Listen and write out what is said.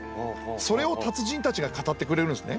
それを達人たちが語ってくれるんですね。